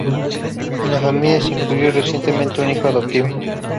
En la familia se incluyó recientemente un hijo adoptivo.